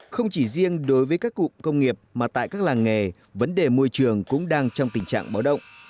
không chỉ riêng đối với các cụm công nghiệp mà tại các làng nghề vấn đề môi trường cũng đang trong tình trạng báo động